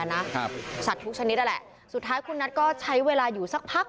นี่นี่นี่นี่นี่นี่นี่